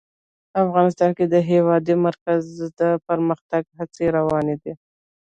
افغانستان کې د د هېواد مرکز د پرمختګ هڅې روانې دي.